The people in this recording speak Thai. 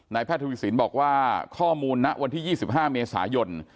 แพทย์ทวีสินบอกว่าข้อมูลณวันที่๒๕เมษายน